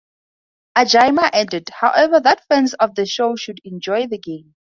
Ajami added, however, that fans of the show should enjoy the game.